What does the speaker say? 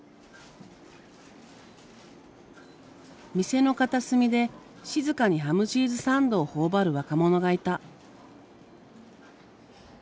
店の片隅で静かにハムチーズサンドを頬張る若者がいた。